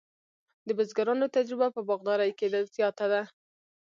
د بزګرانو تجربه په باغدارۍ کې زیاته ده.